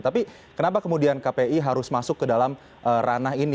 tapi kenapa kemudian kpi harus masuk ke dalam ranah ini